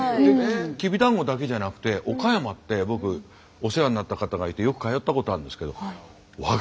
きびだんごだけじゃなくて岡山って僕お世話になった方がいてよく通ったことあるんですけどへえ。